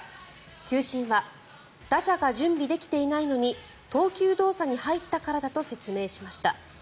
球審は打者が準備できていないのに投球動作に入ったからだと説明しました。